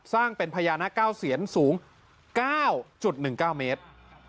สร้างเป็นพญานาค๙เสียนสูง๙๑๙เมตร